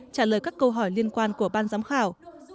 trả lời các câu hỏi liên quan của ban giám khảo